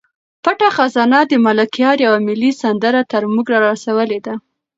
پټه خزانه د ملکیار یوه ملي سندره تر موږ را رسولې ده.